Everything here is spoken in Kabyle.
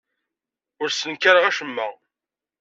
Ur ssenkareɣ acemma.